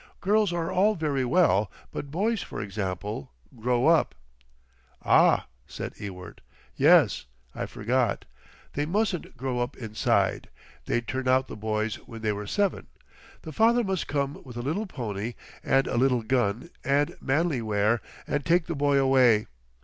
Girls are all very well. But boys, for example—grow up." "Ah!" said Ewart. "Yes. I forgot. They mustn't grow up inside.... They'd turn out the boys when they were seven. The father must come with a little pony and a little gun and manly wear, and take the boy away.